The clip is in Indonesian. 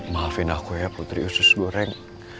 maafin aku ya putri usus goreng